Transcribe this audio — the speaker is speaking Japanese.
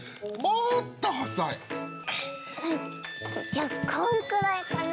じゃこんくらいかな？